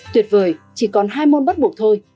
tuyệt vời chỉ còn hai môn bắt buộc thôi